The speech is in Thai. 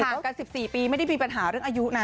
จบกัน๑๔ปีไม่ได้มีปัญหาเรื่องอายุนะ